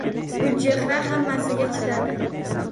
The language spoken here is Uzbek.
Gulchehra hammasiga chidadi